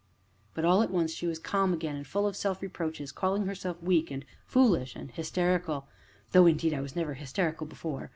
But, all at once, she was calm again, and full of self reproaches, calling herself "weak," and "foolish," and "hysterical" "though, indeed, I was never hysterical before!"